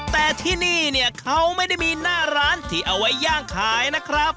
แต่ที่นี่เนี่ยเขาไม่ได้มีหน้าร้านที่เอาไว้ย่างขายนะครับ